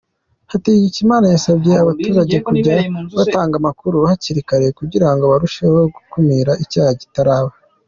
Hategekimana yasabye abaturage kujya batanga amakuru hakiri kare kugira ngo barusheho gukumira icyaha kitaraba.